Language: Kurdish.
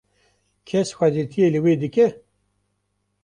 Kes xwedîtiyê li we dike?